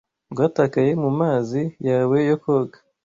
rwatakaye mu mazi yawe yokoga